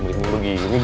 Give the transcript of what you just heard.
gua jadi menunggu gini